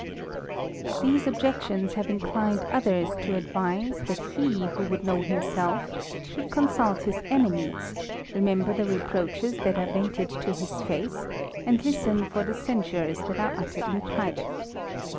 These objections have inclined others to advise, that he ^ho would know himself, should consult his pnrmipq 56 THE RAMBLER. remember the reproaches that are vented to his face^ and listen for the censures that are uttered in private.